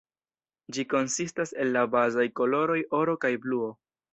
Ĝi konsistas el la bazaj koloroj oro kaj bluo.